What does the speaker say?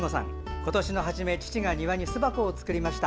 今年の初め、父が庭に巣箱を作りました。